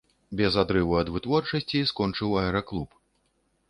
Без адрыву ад вытворчасці скончыў аэраклуб.